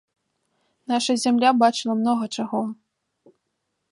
Наша зямля бачыла многа чаго!